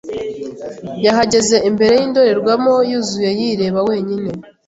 yahagaze imbere yindorerwamo yuzuye, yireba wenyine.